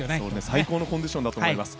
最高のコンディションだと思います。